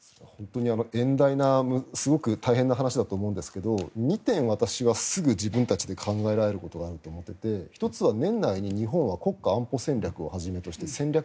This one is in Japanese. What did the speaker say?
遠大なすごく大変な話だと思うんですが２点、私はすぐ自分たちで考えられることがあると思っていて１つは年内に日本は国家安保戦略をはじめとして戦略